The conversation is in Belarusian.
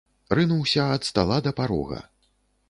Рынуўся ад стала да парога.